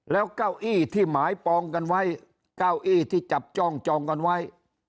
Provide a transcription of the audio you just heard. แล้วเก้าอี้ที่หมายปองกันไว้เก้าอี้ที่จับจ้องจองกันไว้